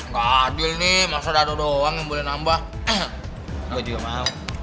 gak adil nih masa udah ada doang yang boleh nambah gue juga mau